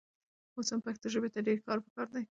اوس هم پښتو ژبې ته ډېر کار پکار دی.